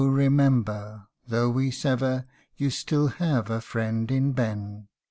remember, though we sever You have still a friend in Ben.